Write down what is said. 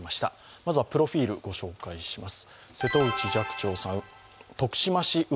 まずはプロフィール、ご紹介します